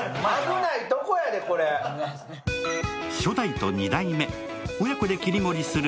初代と二代目、親子で切り盛りする